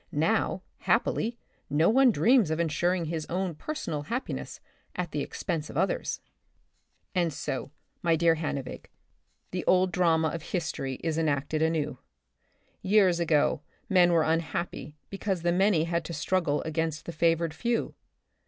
Now, happily, no one dreams of insuring his own personal hap piness at the expense of others." And so, my dear Hannevig, the old drama of history is enacted anew.. Years ago men were unhappy because the many had to strug gle against the favored few.